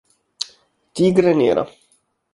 Tigre nera